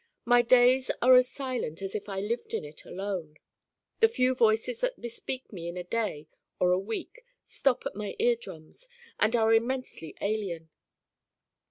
My days are as silent as if I lived in it alone. The few voices that bespeak me in a day or a week stop at my ear drums and are immensely alien.